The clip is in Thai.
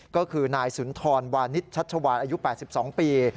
ก็คือนายสุนทรวานิสชัชวานอายุ๘๒ปี